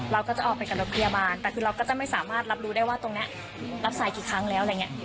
เราก็จะออกไปกับรถพยาบาลแต่คือเราก็จะไม่สามารถรับรู้ได้ว่าตรงนี้รับสายกี่ครั้งแล้วอะไรอย่างนี้